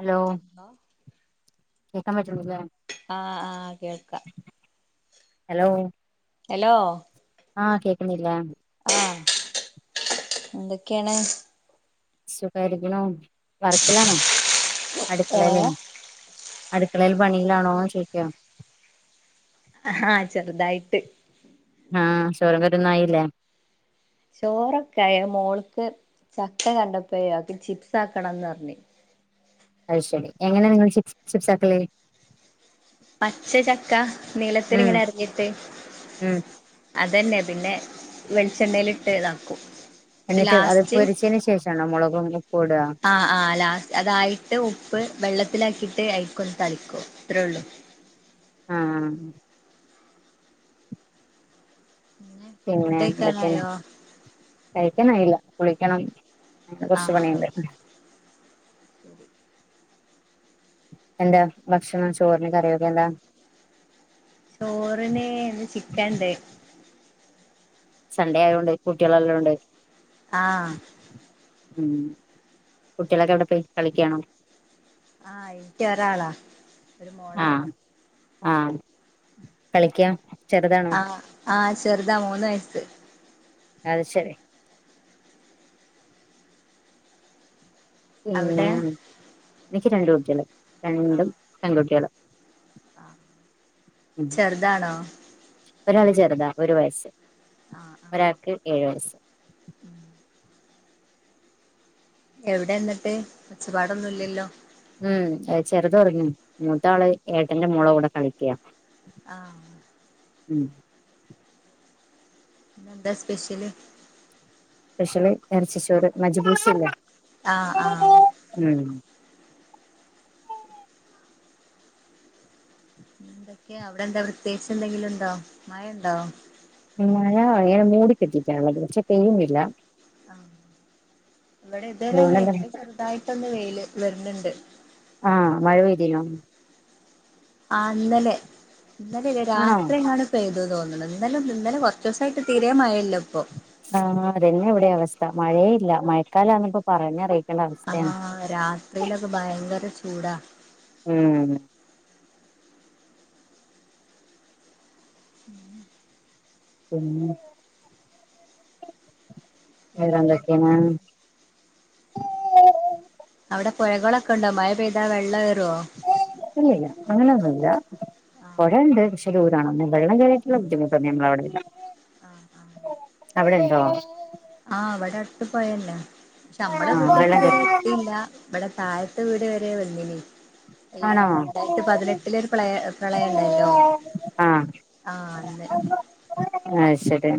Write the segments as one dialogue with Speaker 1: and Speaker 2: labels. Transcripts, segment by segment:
Speaker 1: Hello കേക്കാൻ പറ്റുന്നില്ലേ
Speaker 2: ആഹ് ആഹ് കേൾക്കാ
Speaker 1: ഹലോ
Speaker 2: ഹലോ
Speaker 1: ആഹ് കേക്കുന്നില്ലേ
Speaker 2: ആഹ് എന്തൊക്കെയാണ്
Speaker 1: സുഖായിരിക്കണു വർക്കിലാണോ അടുക്കളേലെ അടുക്കളയിൽ പണിയിലാണോന്ന് ചോദിക്കാ
Speaker 2: ആഹ് ചെറുതായിട്ട്
Speaker 1: ആഹ് ചോറും കറിയൊന്നും ആയില്ലേ
Speaker 2: ചോറൊക്കെ ആയെ മോൾക്ക് ചക്ക കണ്ടപ്പഴെ അവൾക്ക് ചിപ്സ് ആക്കണന്ന് പറഞ്ഞ്
Speaker 1: അത് ശരി എങ്ങനെയാണ് നിങ്ങൾ ചിപ്സ് ചിപ്സ് ആക്കല്
Speaker 2: പച്ച ചക്ക നീളത്തിൽ
Speaker 1: ഉം
Speaker 2: ഇങ്ങനെ അരിഞ്ഞിട്ട്
Speaker 1: ഉം
Speaker 2: അതന്നെ പിന്നെ വെളിച്ചെണ്ണേലിട്ട് ഇതാക്കും
Speaker 1: എന്നിട്ട് അത് പൊരിച്ചെന് ശേഷണോ മുളകും ഉപ്പും ഇടുക
Speaker 2: ആ ആ് ലാസ് അതായിട്ട് ഉപ്പ് വെള്ളത്തി മസിലാക്കിയിട്ട് അയിക്കൊണ്ട് തളിക്കോ ഇത്രേ ഉള്ളു
Speaker 1: ആഹ
Speaker 2: ഫുഡ്
Speaker 1: പിന്നെ അതൊക്കെയന്ന
Speaker 2: കഴിക്കാനായോ
Speaker 1: കഴിക്കണം ഇല്ല കുളിക്കണം കൊറച്ചു
Speaker 2: ആഹ് ആഹ്
Speaker 1: പണിയണ്ട്
Speaker 2: [unintelligible]
Speaker 1: എന്താ ഭക്ഷണം ചോറിനെ കറിയൊക്കെ എന്താ
Speaker 2: ചോറിന് ചിക്കൻണ്ട്
Speaker 1: സൺഡേ ആയതോണ്ട് കുട്ടികളെല്ലോണ്ട്
Speaker 2: ആഹ
Speaker 1: ഉം കുട്ടികളൊക്കെ എവിടെ പോയി കളികയാണോ
Speaker 2: ആഹ് എനക്ക് ഒരാളാ ഒരു മോളാ
Speaker 1: ആഹ കളിക്ക
Speaker 2: ആഹ ആഹ ചെറുതാ മൂന്ന് വയസ്സ്
Speaker 1: അത് ശരി ഉം
Speaker 2: അവിടെ
Speaker 1: എനിക്ക് രണ്ട് കുട്ടികള് രണ്ടും പെൺകുട്ടികള്
Speaker 2: ആ
Speaker 1: ഉം
Speaker 2: ചെറുതാണോ
Speaker 1: ഒരാള് ചെറുതാ ഒരു വയസ്സ് ഒരാൾക്ക് ഏഴു വയസ്
Speaker 2: ഉം എവിടെ എന്നിട്ട് ഒച്ചപ്പാട് ഒന്നുമില്ലലോ
Speaker 1: ഉം ചെറുതൊറങ്ങു മൂത്താള് ഏട്ടന്റെ മോള കൂടെ കളിക്കുക
Speaker 2: ആഹ
Speaker 1: ഉം
Speaker 2: ഇന്ൻ എന്താ സ്പെഷ്യല്
Speaker 1: സ്‌പേർഷ്യല് ഇറച്ചിച്ചോര് മജ്ബൂഷല്ല
Speaker 2: ആഹ ആഹ എന്തൊക്കെയ അവിടെ എന്താ പ്രത്യേകിച്ച് എന്തെങ്കിലും ഉണ്ടോ മഴ ഉണ്ടോ
Speaker 1: മഴ ങ്ങനെ മൂട കെട്ടിട്ടാത് പക്ഷെ ചെയ്യുന്നില്ല
Speaker 2: ആ ഇവിടെ ഇതുവരെ അങ്ങനെ
Speaker 1: അതുകൊണ്ടന്നെ
Speaker 2: എപ്പ ചെറുതായിട്ടൊന്ന് വെയില് വരുന്നുണ്ട്
Speaker 1: ആഹ മഴ പെയ്തില്ല
Speaker 2: ആ ഇന്നലെ ഇന്നലെ ഇല്ല
Speaker 1: ആണോ
Speaker 2: രാത്രി ആണ് പെയ്തു അ തോന്നുന്നുന്നാലും ഇന്നലെ കുറ ദിവസമായിട്ട് തീരെ മയ ഇല്ല
Speaker 1: ആ അതന്നെ ഇവിടെ അവസ്ഥ മഴേ ഇല്ല മഴക്കാലാന്ന് ഇപ്പ പറഞ്ഞറ
Speaker 2: ആ രാത്രിയിലൊക്കെ ഭയങ്കര ചൂടാ
Speaker 1: ഉം
Speaker 2: ഉം
Speaker 1: ഉം
Speaker 2: പിന്നെ
Speaker 1: വേറെന്തക്കയാണ്
Speaker 2: എന്തൊക്കെയാണ്
Speaker 1: ആ
Speaker 2: അവിടെ പുഴകളൊക്കെ ഉണ്ടോ മ പെയ്ത വെള്ള [unintelligible]
Speaker 1: ഇല്ലില്ല അങ്ങനെയൊന്നുല്ല
Speaker 2: ആഹ്
Speaker 1: പുഴയുണ്ട് പ ദൂരാണ് അന്നെ വെള്ളം കയയിട്ട ബുധിമുട്ടണ്ട് നമ്മള അവിടെല്ല
Speaker 2: ആആഹ്
Speaker 1: അവിടെ ണ്ടോ
Speaker 2: ആ എവിടെ അട്ട് പോയല്ലേ ക്ഷെ നമ്മളെ
Speaker 1: ആഹ്
Speaker 2: വീട്ടിൽക്ക്
Speaker 1: വെള്ളം കേ
Speaker 2: വരെ എത്തിയില്ല വിള തഴത്ത് വീട് വരെ വന്നിനി ഈ
Speaker 1: ആണോ
Speaker 2: രണ്ടായിരത്തി പതിനെട്ടില ഒരു പ്ല പ്രളയ ഉണ്ടല്ലോ
Speaker 1: ആഹ്
Speaker 2: ആ അന്ന്
Speaker 1: എ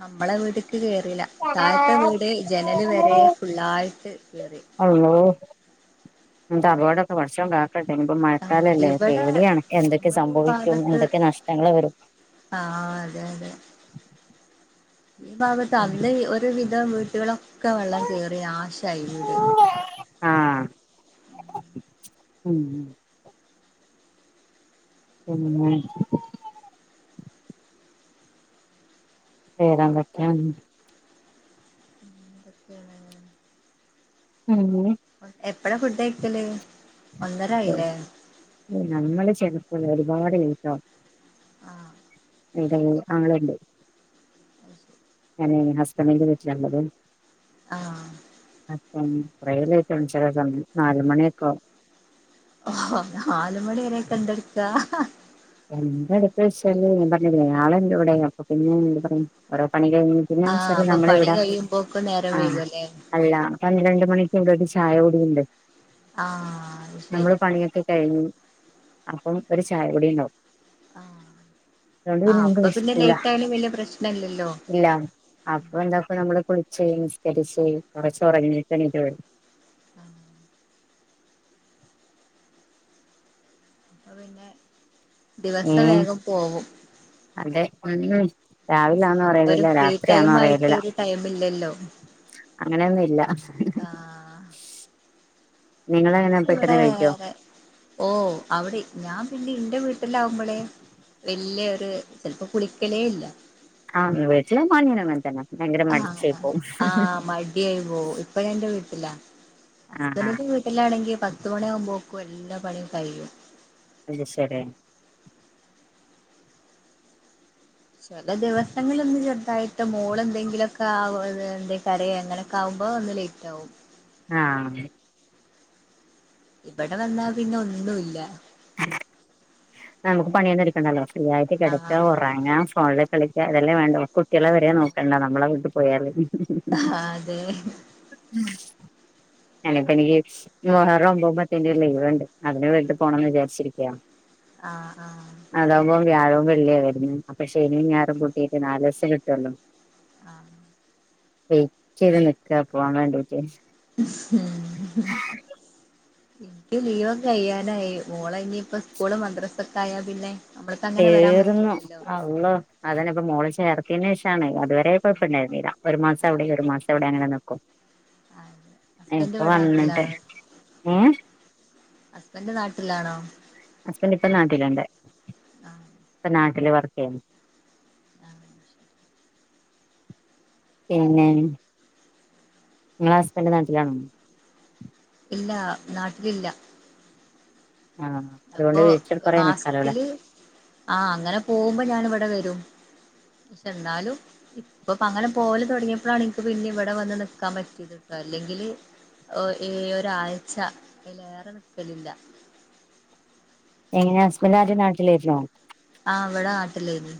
Speaker 2: നമ്മളെ വീട്ടി ക്ക് കേറില്ല താഴത്ത വീട് ജനല് വരെ ഫുള്ളായിട്ട് കേറി
Speaker 1: എന്താ അപോടൊക്കെ വർഷണ്ട ട്ടെ
Speaker 2: ആഹ്
Speaker 1: മഴക്കാലല്ലേ
Speaker 2: ഇവിടെ
Speaker 1: പേടിയാണ് എന്തൊക്കെ
Speaker 2: നമ്മളെ ഈ
Speaker 1: സംഭവിക്കും
Speaker 2: ഭാഗത്ത്
Speaker 1: എന്തൊക്കെ നഷ്ടങ്ങള് വരും
Speaker 2: ആഹ് അതെ അതെ ഈ ഭാഗത്ത് അന്ന് ഒരു [unintelligible] വീട്ടുകളും ഒക്ക വെള്ളം കേറി നാശയി വീട്
Speaker 1: ആഹ് ഉം മ്മ് വേരാ വക്കനിനി
Speaker 2: അക്കെയണ
Speaker 1: ഉം
Speaker 2: എപ്പടാ ഫുഡ് കയിക്കല്
Speaker 1: നമ്മള് ചിലപ്പോൾ പാട് ലേറ്റാം.
Speaker 2: ആ
Speaker 1: എന്ത അങ്ങനുണ്ട്
Speaker 2: അ
Speaker 1: ഞാന് ഹസ്ബൻ്റിൻ്റെ വീട്ടില ഉള്ളത്
Speaker 2: ആ
Speaker 1: ഉം ട്രെയിൻ ലേറ്റ് ആവും ചില സമയം നാല് മണിയൊക്കെ ആവും
Speaker 2: ഓ നാല്മണിവരെക്കെ എന്ത് എടുക്കാ
Speaker 1: എന്ത് ചെയു എന്ന് വെച്ചാൽ ഞാൻ പറഞ്ഞില്ലേ ആൾ ഉണ്ട് ഇവിടെ എന്ന് [unintelligible] പിന്നെന്താന്ന്
Speaker 2: ആഹ്
Speaker 1: വെച്ചാല്
Speaker 2: അപ്പൊ പണി
Speaker 1: നമ്മളിവിടെ
Speaker 2: കഴിയുമ്പോക്ക് നേരം വൈകുല്ലേ
Speaker 1: അല്ല പന്ത്രണ്ട് മണിക്ക് ചായ കുടി ഉണ്ട്
Speaker 2: ആഹ് അത്
Speaker 1: നമ്മള്
Speaker 2: ശരി
Speaker 1: പണിയൊക്കെ കഴിഞ്ഞു അപ്പം ഒരു ചായ കുടി ഉണ്ടാവും
Speaker 2: ആഹ്
Speaker 1: അതൊണ്ട് പിന്നെ
Speaker 2: ആഹ്
Speaker 1: നമുക്ക്
Speaker 2: അപ്പൊ പിന്നെ
Speaker 1: വിശക്കുല്ലാ
Speaker 2: ലേറ്റ് ആയാലും വല്യ പ്രശ്നല്ലല്ലോ
Speaker 1: ഇല്ല അപ്പൊ എന്താക്കും നമ്മള് കുളിച്ച് നിസ്കരിച്ച് കുറച്ച് ഉറങ്ങിട്ട് എണീറ്റ് ഒ
Speaker 2: [inaudible]
Speaker 1: ഏ
Speaker 2: ദിവസം വേഗം പോവും
Speaker 1: അതെ ഉം രാവിലാന്നോ
Speaker 2: ഒരു
Speaker 1: അറിയലില്ല
Speaker 2: ഫ്രീ
Speaker 1: രാത്രിയാന്നോ
Speaker 2: ടൈം ആയിട്ട്
Speaker 1: അറിയലില്ല
Speaker 2: ഒരു ടൈമില്ലല്ലോ
Speaker 1: അങ്ങനെയൊന്നുല്ലാ
Speaker 2: ആഹ് നമ്മൾക്ക് ഇവിടെ ഓ അവിടെ ഞാൻ പിന്നെ എന്റെ വീട്ടിലാവുമ്പോളേ വലിയയൊരു ചിലപ്പോ കുളിക്കലേ ഇല്ല
Speaker 1: [unintelligible]
Speaker 2: ആ
Speaker 1: മടിച്ചായി പോവും
Speaker 2: ആ മടിയായി പോകും ഇപ്പൊ എന്റെ വീട്ട ഇല്ല
Speaker 1: ആഹ്
Speaker 2: ഹസ്ബൻഡിന്റെ വീട്ടിലാണെങ്കിൽ പത്ത്മണിയാകുമ്പോക്കും എല്ലാ പണിയും കഴിയും
Speaker 1: അത് ശെരി
Speaker 2: ചില ദിവസങ്ങള് ഒന്ന് ചെറുതായിട്ട് മോൾ എന്തെങ്കിലുമൊക്കെ ആ എന്ത കരയെ അങ്ങനെയൊക്കെ ആകുമ്പോ ഒന്ന് ലേറ്റ് ആകും
Speaker 1: ആ
Speaker 2: ഇവിടെ വന്നാ പിന്നെ ഒന്നുല്ല
Speaker 1: [inaudible] നമുക്ക് പണിയൊന്നും എടുക്കണ്ടല്ലോ ഫ്രീആയിട്ട്
Speaker 2: ആഹ്
Speaker 1: കിടക്കാ ഉറങ്ങാം ഫോണ ണിൽ കളിക്ക അതല്ലേ വേണ്ടു കുട്ടികളെ വരെ നോക്കണ്ട നമ്മ [inaudible]
Speaker 2: ആ അതെ
Speaker 1: ഞാനിപ്പോ എനിക്ക് മുഹറം പോകുമ്പത്തെക്ക്‌ ഒരു ലീവ് ഉണ്ട് അതിന് വീട്ടിൽ പോണം എന്ന് വിചാരിച്ചിരിക്കാ
Speaker 2: ആ ആ
Speaker 1: വെള്ളിയവരുന്നത് അപ്പ ശനിയും ഞായറും കൂട്ടീട്ട് നാല് ദിവസം കിട്ടുമല്ലോ
Speaker 2: ആ
Speaker 1: വെയിറ്റ് ചെയ്ത് നിൽക്കുവാ പോവാൻ വേണ്ടിട്ട്
Speaker 2: ഇക്ക് ലീവൊക്കെ കയ്യാനായി മോളെ ഇനിയിപ്പ സ്കൂളും മദ്രസാെക്കെ ആയാ പിന്നെ നമ്മൾക്ക് അങ്ങനെ വരാൻ
Speaker 1: തീർന്നു
Speaker 2: പറ്റൂലല്ലോ
Speaker 1: അള്ളാേ അതന്നെപ്പൊ മോളെ ചേർ ത്ത്യേനേഷാണ് അതുവരെ കൊഴപ്പണ്ടായ്ര്ന്നീലാ ഒരു മാസം അവ്ടെയും ഒരു മാസം ഇവ്ടി അങ്ങനെ ന്ക്കും
Speaker 2: അ ഹസ്ബൻ്റ് വടാട്ട്ലാണോ
Speaker 1: ഏ
Speaker 2: ഹസ്ബൻ്റ് നാട്ട്ലാണോ?
Speaker 1: ഇപ്പം നാട്ടില്ണ്ട്
Speaker 2: ആഹ്
Speaker 1: നാട്ടില് വർക്കെയ്യ്ന്ന്
Speaker 2: [unintelligible]
Speaker 1: പിന്നേ ഇങ്ങളെ ഹസ്ബന്റ് നാട്ട്ലാണോ?
Speaker 2: ഇല്ല നാട്ട്ല് ല്ലാ
Speaker 1: ആ അതുകൊണ്ട്
Speaker 2: അപ്പൊ
Speaker 1: വീട്ടിൽ കൊറേ നിക്കാലോല്ലേ
Speaker 2: മാസ്ത്തില് ആഹ് അങ്ങനെ പോവുമ്പം ഞാന് ഇവടെ വെരും ക്ഷെ എന്നാലും ഇപ്പ പ്പ അങ്ങനെ പോവല് തൊടങ്ങ്യപ്പളാണ് ഇൻക്ക് പിന്നിം വടെ വന്ന് നിക്കാം പറ്റീത്ട്ടോ അല്ലെങ്കില് ഒ ഏഹ് ഒരാഴ്ച്ച അയ്ലേറെ നിക്കല് ല്ലാ
Speaker 1: എങ്ങനെ ഹസ്ബന്റ് ആദ്യം നാട്ട്ലേയ്ര്ന്നോ?
Speaker 2: ആഹ് വ്‌ടെ നാട്ട്ലേനി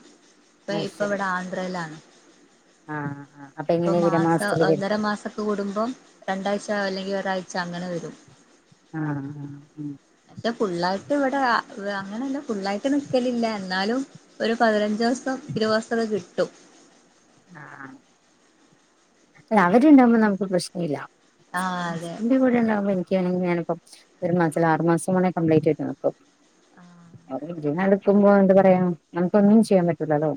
Speaker 2: ഇപ്പ
Speaker 1: അത്
Speaker 2: ഇപ്പൊവ്ടെ ആന്ധ്രേലാണ്
Speaker 1: ആഹ്
Speaker 2: അപ്പൊ മാസം ഒന്നര മാസൊക്കൂടുമ്പം രണ്ടാഴ്ച അല്ലെങ്കിൽ ഒരാഴ് ച്ചങ്ങനെ വെരും
Speaker 1: ആഹ്
Speaker 2: ഫുള്ളായിട്ട് ഇവിടെ അങ്ങനല്ല ഫുള്ളായിട്ട് നിക്കലില്ല ന്നാലും ഒരു പതിന ഞ്ചോസം ഇരുവോസം ക്കെ കി ട്ടും
Speaker 1: ആ അല്ല അവര്ണ്ടാകുമ്പോ നമുക്ക് പ്രശ്നല്ല
Speaker 2: ആ അതെ
Speaker 1: ൻ്റെ കൂടെണ്ടാവൽ ക്യാണ് ഞാനിപ്പം ഒരു മാസല്ല ആറു മാസം വാണേ കംപ്ലീറ്റായിട്ട് നോക്കും [unintelligible] ര് നടുക്കുമ്പോ എന്താ പറയാ നമുക്കൊന്നും ചെയ്യാൻ പറ്റൂലല്ലോ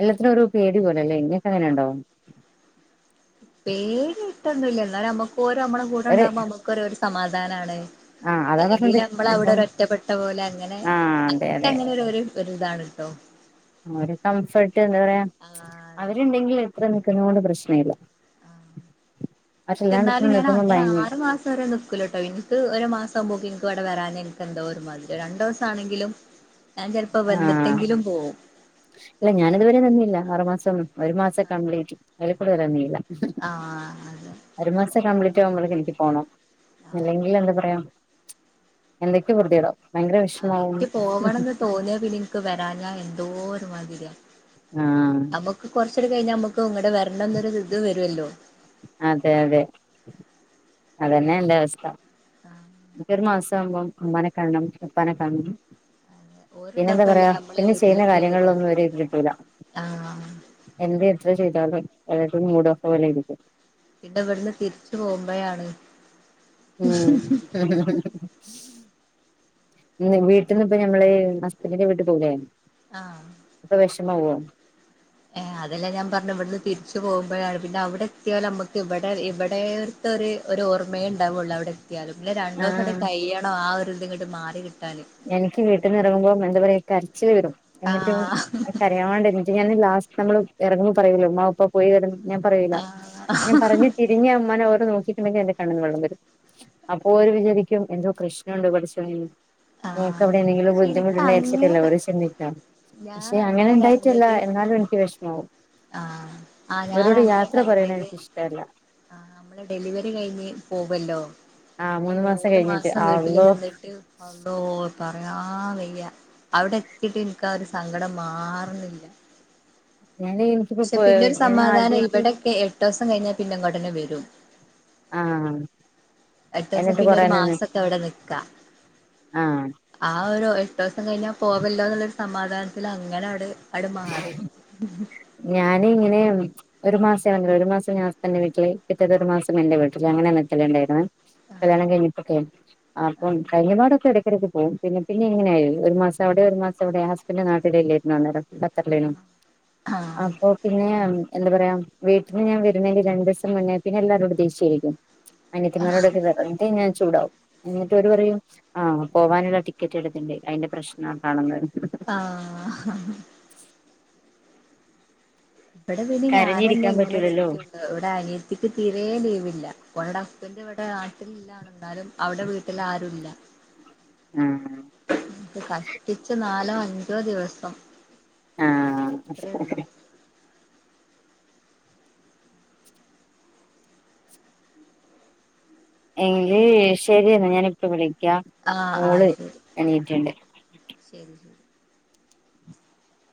Speaker 1: എല്ലത്തിനൊരു പേടി പോലല്ലേ ങ്ങക്കങ്ങനെണ്ടോ
Speaker 2: പേട്യയ്ട്ടൊന്നുല്ല ന്നാലും നമ്മ ഓരും നമ്മളെ
Speaker 1: ഒരു
Speaker 2: കൂടെണ്ടാവുമ്പോ നമുക്കൊരൊരു സമാധാ ത്താനാണ്
Speaker 1: ആഹ് അതാ
Speaker 2: അല്ലെങ്കില്
Speaker 1: പറഞ്ഞത്
Speaker 2: നമ്മളവടെ
Speaker 1: അപ്പം
Speaker 2: ഒരുറ്റപ്പെട്ട പോലെ അങ്ങനെ
Speaker 1: ആഹ് അതെ അതെ
Speaker 2: ഒരുരിതാണ് ട്ടോ
Speaker 1: ഒരു കംഫർട്ട് എന്താ പറയാ
Speaker 2: ആ അതെ
Speaker 1: അവരുണ്ടെങ്കില് അത്ര നിക്കുന്നോണ്ട് പ്രശ്ന ഇല്ല.
Speaker 2: പക്ഷ എന്നാലും ഞാൻ അങ്ങനെ ആറ് മാസം വരെ നിക്കൂല ട്ടോ എനിക്ക് ഒരു മാസാവുമ്പോ പൊ ഇക്ക് അവിടെ വരാഞ്ഞാ എനിക്ക് എന്തോ ഒരുമാതിരി രണ്ട് ദിവസം ആണെങ്കിലും ഞാൻ ചിലപ്പോ
Speaker 1: ആഹ്
Speaker 2: വന്നിട്ടെങ്കിലും പോവും.
Speaker 1: ഇല്ല ഞാനിതുവരെ വന്നില്ല ആറുമാസം ഒരു മാസം കംപ്ലീറ്റ് അതിൽ കൂടുതൽ നിന്നില്ല.
Speaker 2: ആഹ് അതെ
Speaker 1: അ ഒരുമാസം കംപ്ലിറ്റ് ഉച്ചേകുമ്പോഴേക്കും എനിക്ക് പോണം.
Speaker 2: ആഹ്
Speaker 1: അല്ലെങ്കിൽ എന്താ പറയ എന്തൊക്കെ പൊറുത്യേടാവും
Speaker 2: ആ എനിക്ക് പോവണംന്ന് തോന്നിയൽ പിന്നെ എനിക്ക് വരാഞ്ഞാ എന്തോ ഒരു മാതിര്യാ
Speaker 1: അ ആ
Speaker 2: കുറച്ച് കഴിഞ്ഞാൽ നമുക്ക് ഇങ്ങട് വരണം എന്നൊരു ഇത് വരുല്ലോ.
Speaker 1: അതെ അതെ അതന്നെ എന്റെ അവസ്ഥ.
Speaker 2: ആഹ്
Speaker 1: നമുക്കൊരു മാസം ആവുമ്പോ ഉമ്മാനെ കാണണം ഉപ്പാനെ കാണണം. പിന്നെന്താ
Speaker 2: ഓരുള്ളപ്പല്ലേ
Speaker 1: പറയാ
Speaker 2: നമ്മളെ
Speaker 1: പിന്നെ ചെയ്യുന്ന
Speaker 2: വീട്ടിലൊക്കെ വരാ
Speaker 1: കാര്യങ്ങളിലൊന്നും ഒര് ഇത് കിട്ടൂല
Speaker 2: ആഹ്
Speaker 1: എന്ത് ഇ- ചെയ്താലും അതായത് മൂഡ് ഓഫ് ആവും. അല്ലെങ്കില്
Speaker 2: പിന്നെ ഇവിടുന്ന് തിരിച്ചു പോകുമ്പോഴാണ്
Speaker 1: ഉം വീട്ടിൽ നിന്നിപ്പൊ നമ്മള് ഹസ്ബൻ്റിൻ്റെ വീട്ടിൽ പോവൂലെ
Speaker 2: ആ
Speaker 1: ഇന്ന് പോവോ
Speaker 2: ഏ അതെല്ലേ ഞാൻ പറഞ്ഞത് ഇവിടുന്ന് തിരിച്ചു പോകുമ്പോഴാണ് പിന്നെ അവിടെ എത്തിയാൽ നമ്മുക്ക് ഇവിടെ ഇവിടുത്തെ ഒരു ഓർമ്മയേ ഉണ്ടാവുള്ളൂ അവിടെ എത്തി- അവിടെ എത്തിയാലും പിന്നെ രണ്ടു ദിവസം കൂടി
Speaker 1: ആഹ്
Speaker 2: കഴിയണം ആ ഒരു അതങ്ങട് മാറി കിട്ടാൻ
Speaker 1: എനിക്ക് വീട്ടിൽ നിന്ന് ഇറങ്ങുമ്പോ എന്താ പറയുക കരച്ചിൽ വരും എന്നിട്ട്
Speaker 2: ആഹ്
Speaker 1: കരയാൻ വേണ്ടി എന്നിട്ട് ഞാൻ ലാസ്റ്റ് നമ്മള് ഇറങ്ങുമ്പോ പറയൂല്ലോ ഉമ്മാ ഉപ്പാ പോയി വരും എന്ന് ഞാൻ പറയൂല ഞാൻ
Speaker 2: ആഹ്
Speaker 1: പറഞ്ഞു തിരിഞ്ഞ് ഉമ്മാനെ ഒരു നോക്ക- നോക്കിണ്ടെങ്കിൽ എന്റെ കണ്ണിന്ന് വെള്ളം വരും അപ്പൊ ഒരു വിചാരിക്കും എന്തോ പ്രശ്നമുണ്ട് പടച്ചോനെ ന് നമുക്ക്
Speaker 2: ആഹ്
Speaker 1: അവിടെ എന്തെങ്കിലും
Speaker 2: പക്ഷെ എനിക്ക്
Speaker 1: ബുദ്ധിമുട്ടുണ്ടായിരിച്ചിട്ടോ
Speaker 2: അങ്ങനെ
Speaker 1: ഓരു ചിന്തിക്ക
Speaker 2: ഞാൻ
Speaker 1: പക്ഷെ അങ്ങനെ ഉണ്ടായിട്ടല്ല എന്നാലും എനിക്ക് വിഷമാവും
Speaker 2: ആഹ ആ ഞാൻ
Speaker 1: അവരോട്
Speaker 2: അങ്ങനെ
Speaker 1: യാത്ര പറയണ
Speaker 2: കരഞ്ഞത്
Speaker 1: എനിക്കിഷ്ടല്ല
Speaker 2: ആ നമ്മള് ഡെലിവറി കഴിഞ്ഞ് പോവല്ലോ.
Speaker 1: ആഹ്
Speaker 2: നമ്മള് മൂന്ന്
Speaker 1: കഴിഞ്ഞിട്ട്
Speaker 2: മാസം വീട്ടില്
Speaker 1: അള്ളോ
Speaker 2: നിന്നിട്ട് അള്ളോ പറയാ വയ്യ അവിടെത്തീട്ട് എനിക്ക ആ ഒരു സങ്കടം മാറുന്നില്ല.
Speaker 1: ഞാന് എനിക്കിപ്പോ
Speaker 2: പക്ഷെ
Speaker 1: പോയി
Speaker 2: പിന്നൊരു
Speaker 1: ഞാൻ
Speaker 2: സമാധാനം
Speaker 1: ആദ്യൊക്കെ
Speaker 2: ഇവിടൊക്കെ എട്ടോ- ദിവസം കഴിഞ്ഞാൽ പിന്നെ ഇങ്ങട് തന്നെ വരും
Speaker 1: ആഹ്
Speaker 2: എട്ട് ദിവസം
Speaker 1: എന്നിട്ട്
Speaker 2: പിന്നെ
Speaker 1: കൊറേ
Speaker 2: ഒരു
Speaker 1: നിന്ന്
Speaker 2: മാസൊക്കെ അവിടെ നിക്ക
Speaker 1: ആഹ്
Speaker 2: ആ ഒരു എട്ടൊസം കഴിഞ്ഞാ പോവല്ലോന്ന്ള്ളൊരു സമാധാനത്തിൽ അങ്ങനെയാട് ആണ്ട്മാറി
Speaker 1: ഞാന് ഇങ്ങനെ ഒരു മാസാ [unintelligible] ഒര് മാസം ഞാൻ ഹസ്ബന്റ് വീട്ടില് പിറ്റേത്തൊരു മാസം എന്റെ വീട്ടില് അങ്ങനെയാണ് നിക്കല്ണ്ടയിര്ന്നേ കല്യാണം കഴിഞ്ഞിപ്പൊക്കെ
Speaker 2: ആഹ്
Speaker 1: അപ്പം കഴിഞ്ഞ പാടൊക്കെ എ ടക്ക് പോവും പിന്നെ പിന്നെ ഇങ്ങനെയായി ഒരു മാസം അവിടെ ഒരു മാസം ഇവിടെ ഹസ്ബൻഡ് നാട്ടിലില്ലായിരുന്നു അന്നേരം തല്ലേനോ
Speaker 2: ആഹ്
Speaker 1: അപ്പൊ പിന്നെ എന്താ പറയാ വീട്ട്ല് ഞാൻ വരുന്നേന് രണ്ടീസം മുന്നേ പിന്നെ എല്ലാരോടും ദേഷ്യായിരിക്കും അനിയത്തിമാരോടൊക്കെ വേറ്തെ ഞാൻ ചൂടാവും എന്നിട്ടൊര് പറയും ആ പോവാനുള്ള ടിക്കറ്റ് എട്ത്തിട്ട്ണ്ട് അതിന്റെ പ്രശ്നതാണന്ന്
Speaker 2: ആഹ് ഇവിടെ പിന്നെ ഞാനല്ലെ
Speaker 1: കരഞ്ഞിരിക്കാൻ
Speaker 2: ഇങ്ങനെ
Speaker 1: പറ്റൂലല്ലോ
Speaker 2: നിക്ക്ണ്ട് ഇവിടെ അനിയത്തിക്ക് തീരെ ലീവില്ല ഓള്ടെ ഹസ്ബന്റ് ഇവിടെ നാട്ടിലില്ലാണും എന്നാലും അവിടെ വീട്ടിൽ ആരുല്ല
Speaker 1: ആഹ്
Speaker 2: കഷ്ടിച്ച് നാലോ അ ഞ്ചോ ദിവസം
Speaker 1: ആ
Speaker 2: അത്രേ ഉള്ളൂ
Speaker 1: എങ്കില്
Speaker 2: ഇനി
Speaker 1: ശെരിയേ ആ ഞാനിപ്പവിടെ ക്ക്യാ
Speaker 2: ആഹ് ആഹ്
Speaker 1: മോള്
Speaker 2: ശരി
Speaker 1: എണീറ്റ്ണ്ട്
Speaker 2: ശരി ശരി